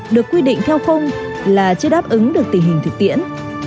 được quy định theo khung là chưa đáp ứng được tình hình thực tiễn